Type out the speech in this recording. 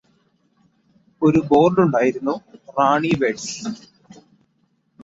ഒരു ബോര്ഡുണ്ടായിരുന്നു റാണി വെഡ്സ്